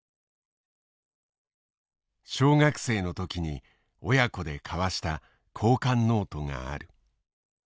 小学生の時に親子で交わした交換ノートがある。